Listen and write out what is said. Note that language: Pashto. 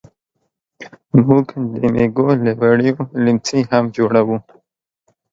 موږ د مېږو له وړیو لیمڅي هم جوړوو.